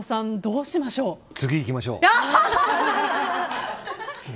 次いきましょう。